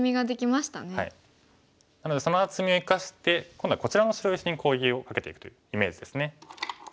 なのでその厚みを生かして今度はこちらの白石に攻撃をかけていくというイメージですね。